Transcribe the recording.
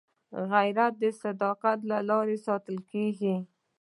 عزت د صداقت له لارې ساتل کېږي.